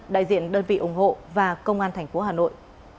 đại diện đơn vị ủng hộ và công an thành phố hà nội